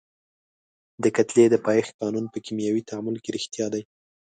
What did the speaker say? د کتلې د پایښت قانون په کیمیاوي تعامل کې ریښتیا دی.